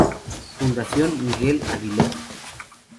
Fundación Miguel Aguiló